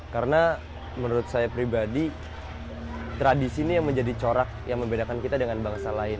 karena menurut saya pribadi tradisi ini yang menjadi corak yang membedakan kita dengan bangsa lain